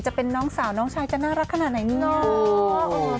จะเป็นน้องสาวน้องชายจะน่ารักขนาดไหนมึงเนาะ